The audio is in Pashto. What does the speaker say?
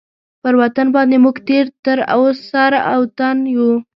پر وطن باندي موږ تېر تر سر او تن یو.